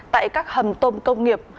tại các hầm tôm công nghiệp